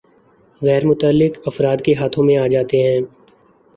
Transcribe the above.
غیر متعلق افراد کے ہاتھوں میں آجاتے ہیں